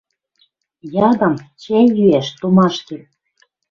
Ядам чӓй йӱӓш томашкем.